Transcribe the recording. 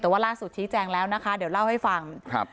แต่ว่าล่าสุดชี้แจงแล้วนะคะเดี๋ยวเล่าให้ฟังครับ